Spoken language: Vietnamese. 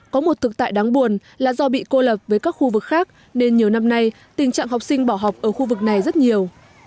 có một thực tại đáng buồn là do bị cô lập với các khu vực khác nên nhiều năm nay tình trạng học sinh bỏ học ở khu vực này rất nhiều